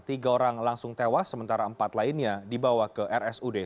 tiga orang langsung tewas sementara empat lainnya dibawa ke rsud